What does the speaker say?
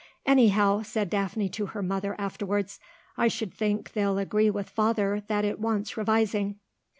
"Anyhow," said Daphne to her mother afterwards, "I should think they'll agree with father that it wants revising."